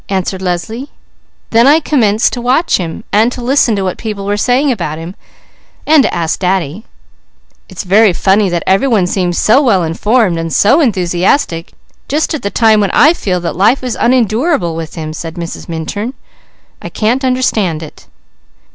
answered Leslie. "Then I commenced to watch him and to listen to what people were saying about him, and to ask Daddy." "It's very funny that every one seems so well informed and so enthusiastic just at the time when I feel that life is unendurable with him," said Mrs. Minturn. "I can't understand it!"